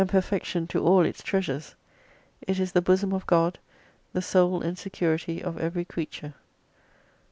X 321 perfection to all its treasures. It is the Bosom of God, the Soul and Security of every Creature.